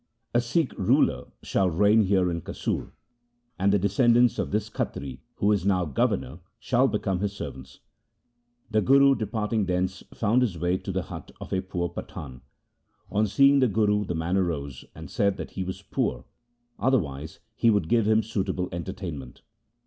A Sikh ruler shall reign here in Kasur, and the descendants of this Khatri who is now governor shall become his servants.' The Guru, departing thence, found his way to the hut of a poor Pathan. On seeing the Guru the man arose and said that he was poor, otherwise he would give him suitable entertainment.